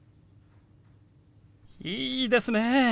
いいですね。